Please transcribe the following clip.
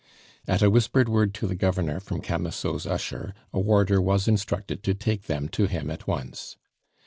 At a whispered word to the Governor from Camusot's usher a warder was instructed to take them to him at once.